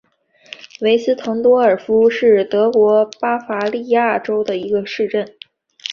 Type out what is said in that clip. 韦斯滕多尔夫是德国巴伐利亚州的一个市镇。